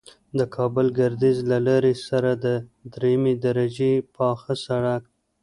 د کابل گردیز د لارې سره د دریمې درجې پاخه سرک